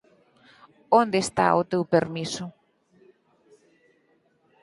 Onde está o teu permiso?